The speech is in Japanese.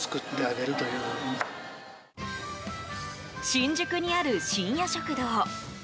新宿にある深夜食堂。